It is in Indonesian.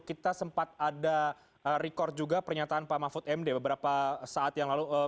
kita sempat ada record juga pernyataan pak mahfud md beberapa saat yang lalu